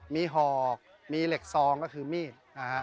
มีหอกมีเหล็กซองก็คือมีดนะฮะ